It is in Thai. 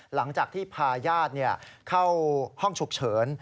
หลังจากที่พาญาติเข้าห้องฉุกเฉิน